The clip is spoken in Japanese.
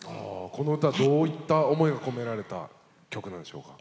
この歌はどういった思いが込められた曲なんでしょうか？